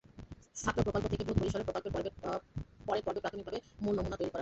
ছাত্র-প্রকল্প থেকে বৃহৎ পরিসরেএ প্রকল্পের পরের পর্বে প্রাথমিকভাবে মূল নমুনা তৈরি করা হবে।